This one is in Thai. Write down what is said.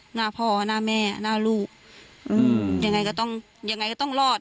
หน้าพ่อหน้าแม่หน้าลูกอืมยังไงก็ต้องยังไงก็ต้องรอด